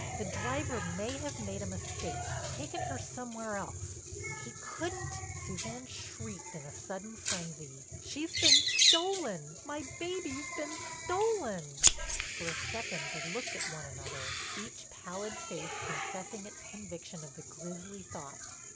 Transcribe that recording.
"The driver may have made a mistake, taken her somewhere else—he couldn't—" Suzanne shrieked in sudden frenzy: "She's been stolen—my baby's been stolen!" For a second they looked at one another, each pallid face confessing its conviction of the grisly thought.